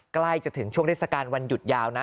ใกล้จะถึงช่วงเทศกาลวันหยุดยาวนะ